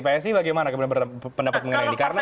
psi bagaimana pendapat mengenai ini karena kan